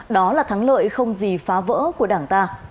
đó là thắng lợi không gì phá vỡ của đảng ta